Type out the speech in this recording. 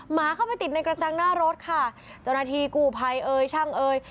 หมาเข้าไปติดในกระจังหน้ารถค่ะเจ้าหน้าที่กู้ภัยเอ่ยช่างเอ่ย